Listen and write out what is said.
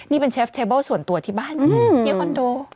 นี่เป็นเชฟเทเบิลส่วนตัวที่บ้านที่คอนโด